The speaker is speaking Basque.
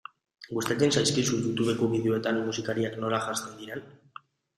Gustatzen zaizkizu Youtubeko bideoetan musikariak nola janzten diren?